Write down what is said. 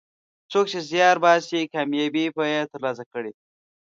څوک چې زیار باسي، کامیابي به یې ترلاسه کړي.